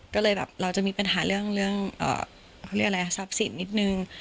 ก็เลยเราจะมีปัญหาเรื่องซับสินนิดนึง